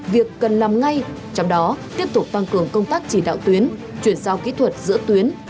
việc cần làm ngay trong đó tiếp tục tăng cường công tác chỉ đạo tuyến chuyển giao kỹ thuật giữa tuyến